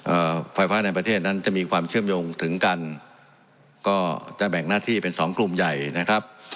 ไฟฟ้าในประเทศนั้นจะมีความเชื่อมโยงถึงกันก็จะแบ่งหน้าที่เป็นสองกลุ่มใหญ่นะครับ